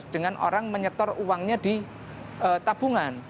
dengan orang menyetor uangnya di tabungan